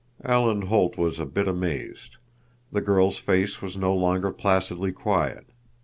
Alan Holt was a bit amazed. The girl's face was no longer placidly quiet.